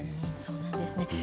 そうなんですね。